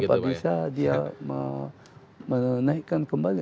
apa bisa dia menaikkan kembali